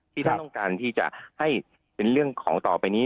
ที่ท่านต้องการที่จะให้เป็นเรื่องของต่อไปนี้